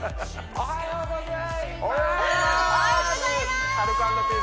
おはようございます！